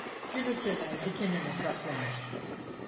Gülü seven dikenine katlanır.